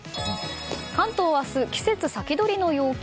関東、明日季節先取りの陽気。